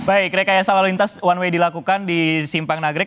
baik rekayasa lalu lintas one way dilakukan di simpang nagrek